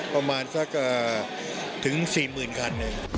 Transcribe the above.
ประมาณสักถึง๔๐๐๐คัน